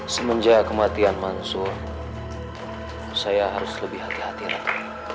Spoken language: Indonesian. semenjak kematian mansur saya harus lebih hati hati ratu